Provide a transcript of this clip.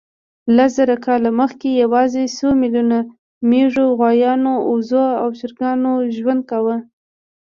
لس زره کاله مخکې یواځې څو میلیونو مېږو، غویانو، اوزو او چرګانو ژوند کاوه.